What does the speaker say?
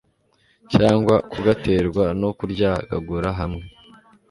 cyangwa kugaterwa no kuryagagura hamwe